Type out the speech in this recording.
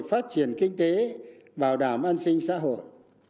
phát triển kinh tế bảo đảm an sinh xã hội